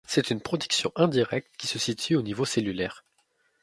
C’est une protection indirecte qui se situe au niveau cellulaire.